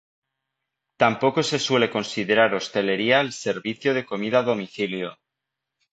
Tampoco se suele considerar "hostelería" el servicio de comida a domicilio.